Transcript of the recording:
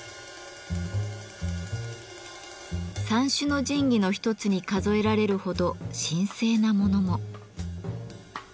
三種の神器の一つに数えられるほど神聖な物も。